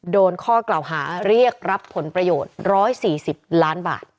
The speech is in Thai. โดนข้อกล่าวหารีกรับผลประโยชน์ร้อยสี่สิบล้านบาท